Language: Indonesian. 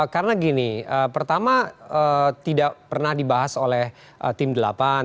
karena gini pertama tidak pernah dibahas oleh tim delapan